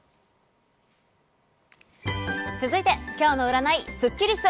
続いて、今日の占いスッキりす。